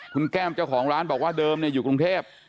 คุณแก้มเจ้าของร้านบอกว่าเดิมอยู่กรุงเทพ